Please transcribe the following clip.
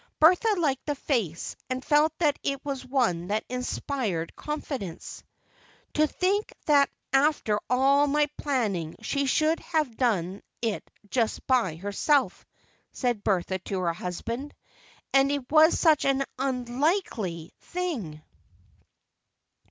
Bertha liked the face, and felt that it was one that inspired confidence. "To think that after all my planning she should have done it just by herself," said Bertha to her husband, "and it was such an unlikely thing."